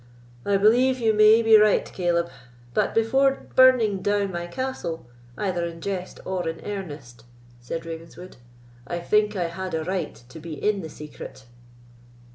"I believe you may be right, Caleb; but, before burning down my castle, either in jest or in earnest," said Ravenswood, "I think I had a right to be in the secret."